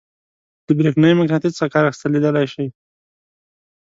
له برېښنايي مقناطیس څخه کار اخیستل لیدلی شئ.